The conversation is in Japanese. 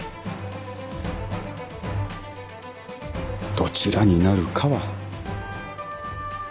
どちらになるかは。